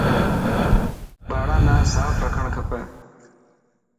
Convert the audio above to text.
ٻاڙان نا ساف رکڻ کپي.